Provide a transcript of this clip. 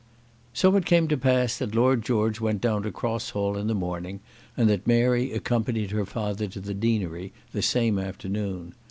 So it came to pass that Lord George went down to Cross Hall in the morning and that Mary accompanied her father to the deanery the same afternoon.